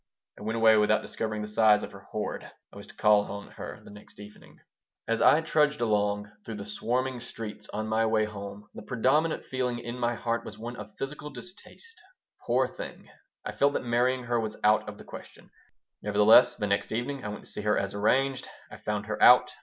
I went away without discovering the size of her hoard. I was to call on her the next evening. As I trudged along through the swarming streets on my way home the predominant feeling in my heart was one of physical distaste. Poor thing! I felt that marrying her was out of the question Nevertheless, the next evening I went to see her as arranged. I found her out.